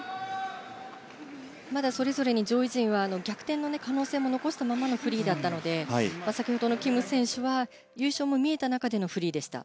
まだそれぞれに上位陣は逆転の可能性も残したままのフリーだったので先ほどのキム選手は優勝も見えた中でのフリーでした。